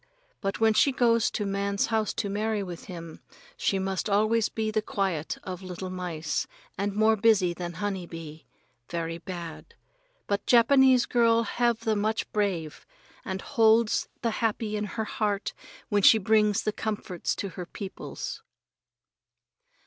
But when she goes to man's house to marry with him, she must always be the quiet of little mice and more busy than honey bee. Very bad. But Japanese girl have the much brave, and holds the happy in her heart when she brings the comforts to her peoples.